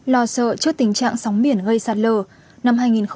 lo sợ trước tình trạng sóng biển gây sạt lờ